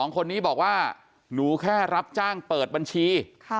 คนนี้บอกว่าหนูแค่รับจ้างเปิดบัญชี